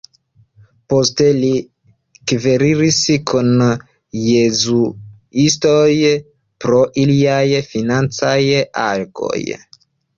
Poste li kverelis kun jezuitoj pro iliaj financaj agoj.